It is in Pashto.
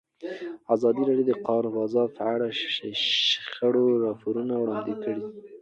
ازادي راډیو د د کار بازار په اړه د شخړو راپورونه وړاندې کړي.